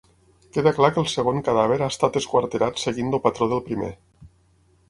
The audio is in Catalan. Queda clar que el segon cadàver ha estat esquarterat seguint el patró del primer.